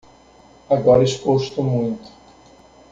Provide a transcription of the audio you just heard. Agora exposto muito